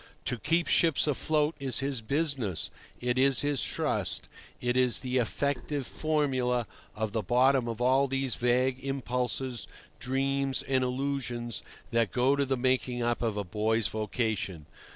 To keep ships afloat is his business; it is his trust; it is the effective formula of the bottom of all these vague impulses, dreams, and illusions that go to the making up of a boy's vocation.